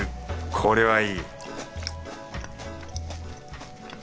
これはいい